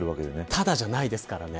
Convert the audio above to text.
ただじゃないですから。